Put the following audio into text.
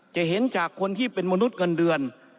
จะเห็นจากคนที่เป็นมนุษย์เงินเดือน